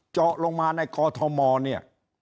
เจาะลงมาในกอทมเนี่ย